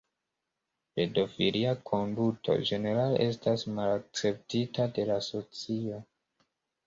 Pedofilia konduto ĝenerale estas malakceptita de la socio.